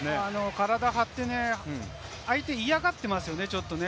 体張って相手嫌がってますよね、ちょっとね。